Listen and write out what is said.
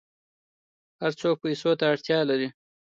هر څوک پیسو ته اړتیا لري.